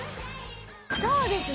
そうですね